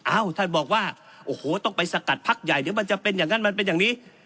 ท่านบอกว่าโอ้โหต้องไปสกัดพักใหญ่เดี๋ยวมันจะเป็นอย่างนั้นมันเป็นอย่างนี้